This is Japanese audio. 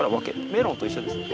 メロンと一緒ですね。